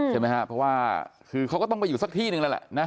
ใช่ไหมครับเพราะว่าคือเขาก็ต้องไปอยู่สักที่หนึ่งแล้วแหละนะ